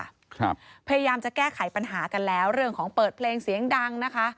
พยายามจะแก้ไขปัญหากันแล้วเรื่องของเปิดเพลงเสียงดังนะคะ